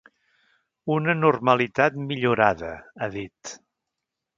“Una normalitat millorada”, ha dit.